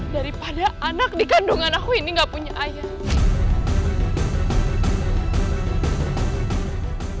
daripada anak di kandungan aku ini gak punya ayah